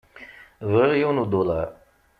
Bɣiɣ yiwen udulaṛ.